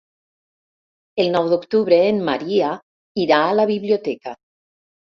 El nou d'octubre en Maria irà a la biblioteca.